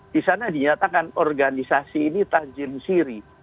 disana dinyatakan organisasi ini tajim siri